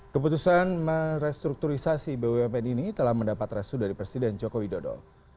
keputusan merestrukturisasi bumn ini telah mendapat resu dari presiden joko widodo